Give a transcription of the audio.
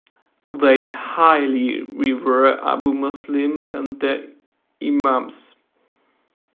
They highly revere Abu Muslim and their imams.